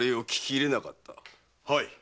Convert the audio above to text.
はい。